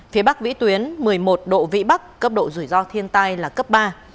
phía bắc vĩ tuyến một mươi một độ vĩ bắc cấp độ rủi ro thiên tai là cấp ba